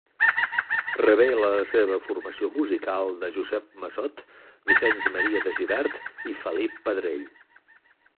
Rebé la seva formació musical de Josep Massot, Vicenç Maria de Gibert i Felip Pedrell.